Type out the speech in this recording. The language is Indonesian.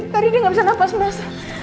tadi dia nggak bisa nafas mas